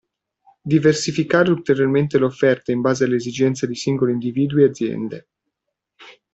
Diversificare ulteriormente l'offerta in base alle esigenze di singoli individui e aziende.